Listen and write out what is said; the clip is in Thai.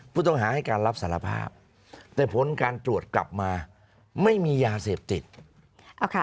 ผู้ต้องหาให้การรับสารภาพแต่ผลการตรวจกลับมาไม่มียาเสพติด